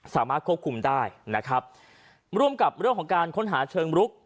สามารถควบคุมได้นะครับร่วมกับเรื่องของการค้นหาเชิงรุก